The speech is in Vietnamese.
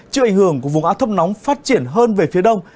chưa ảnh hưởng của vùng áo thấp nóng phát triển hơn về phía đông